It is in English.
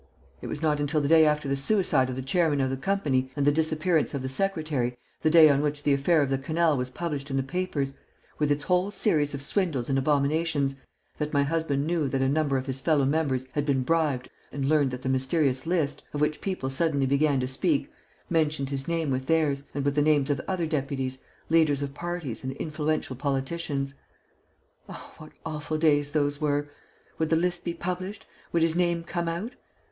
It was not until the day after the suicide of the chairman of the company and the disappearance of the secretary, the day on which the affair of the canal was published in the papers, with its whole series of swindles and abominations, that my husband knew that a number of his fellow members had been bribed and learnt that the mysterious list, of which people suddenly began to speak, mentioned his name with theirs and with the names of other deputies, leaders of parties and influential politicians. Oh, what awful days those were! Would the list be published? Would his name come out?